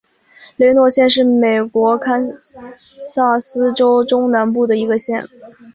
雷诺县是美国堪萨斯州中南部的一个县。